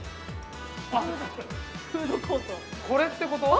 これってこと？